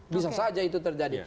bisa saja itu terjadi